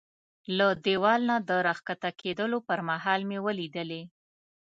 له دېوال نه د را کښته کېدو پر مهال مې ولیدلې.